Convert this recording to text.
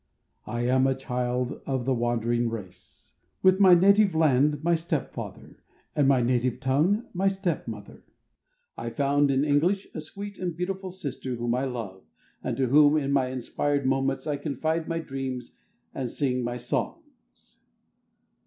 I am a child of the wandering race. With my native land — my stepfather,— and my native tongue — my stepmother — I found in English a sweet and beautiful sister whom I love, and to whom, in my inspired moments, I confide my Dreams and sing my Songs.